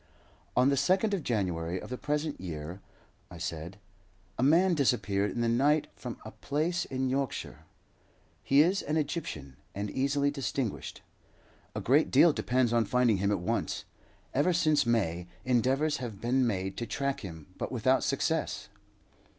"On the 2nd of January of the present year," I said, "a man disappeared in the night from a place in Yorkshire. He is an Egyptian, and easily distinguished. A great deal depends on finding him at once. Ever since May, endeavours have been made to track him, but without success."